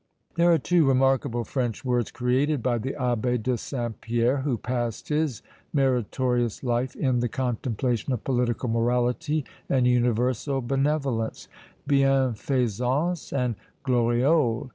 There are two remarkable French words created by the Abbé de Saint Pierre, who passed his meritorious life in the contemplation of political morality and universal benevolence bienfaisance and gloriole.